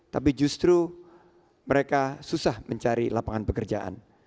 tapi justru mereka susah mencari lapangan pekerjaan